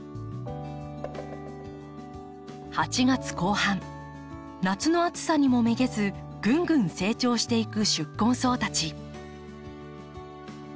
８月後半夏の暑さにもめげずぐんぐん成長していく宿根草たち。